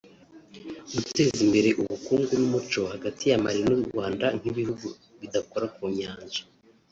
guteza imbere ubukungu n’umuco hagati ya Mali n’ u Rwanda nk’ibihugu bidakora ku Nyanja”